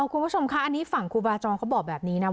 คุณผู้ชมคะอันนี้ฝั่งครูบาจรเขาบอกแบบนี้นะ